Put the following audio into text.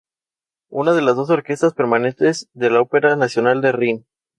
Es una de las dos orquestas permanentes de la Ópera nacional del Rin.